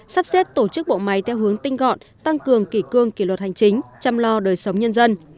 sắp xếp tổ chức bộ máy theo hướng tinh gọn tăng cường kỷ cương kỷ luật hành chính chăm lo đời sống nhân dân